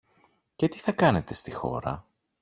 Και τι θα κάνετε στη χώρα;